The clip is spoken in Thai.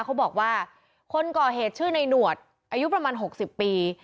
เขาบอกว่าคนก่อเหตุชื่อในหนวดอายุประมาณ๖๐ปี